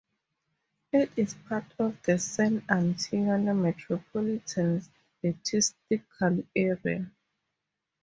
It is part of the San Antonio Metropolitan Statistical Area.